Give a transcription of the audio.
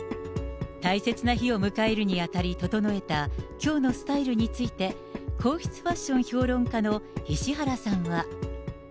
大切な日を迎えるにあたり、整えたきょうのスタイルについて、皇室ファッション評論家の石原さんは。